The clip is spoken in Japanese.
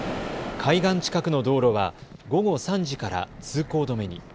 海岸近くの道路は午後３時から通行止めに。